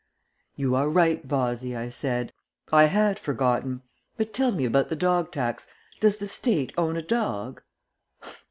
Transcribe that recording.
"You are right, Bozzy," I said. "I had forgotten. But tell me about the dog tax. Does the State own a dog?"